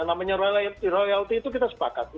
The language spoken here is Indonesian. namanya royalty itu kita sepakat